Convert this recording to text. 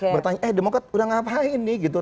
bertanya eh demokrat udah ngapain nih gitu